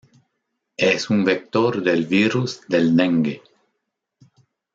Es un vector del virus del dengue.